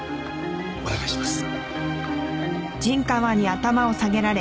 お願いします。